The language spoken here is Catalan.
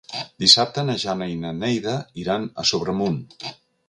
Dissabte na Jana i na Neida iran a Sobremunt.